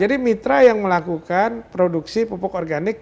jadi mitra yang melakukan produksi pupuk organik